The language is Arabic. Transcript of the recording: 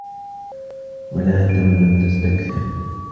وَلا تَمنُن تَستَكثِرُ